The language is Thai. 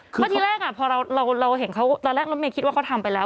เพราะทีแรกพอเราเห็นเขาตอนแรกรถเมย์คิดว่าเขาทำไปแล้ว